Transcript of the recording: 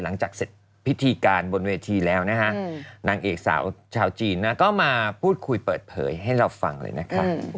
หลังจากเสร็จพิธีการบนเวทีแล้วนะฮะนางเอกสาวชาวจีนก็มาพูดคุยเปิดเผยให้เราฟังเลยนะคะ